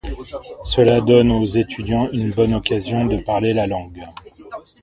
Cela donne aux étudiants une bonne occasion de parler la langue.